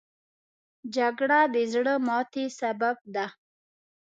جګړه د زړه ماتې سبب ده